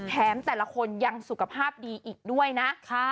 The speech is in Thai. แถมแต่ละคนยังสุขภาพดีอีกด้วยนะ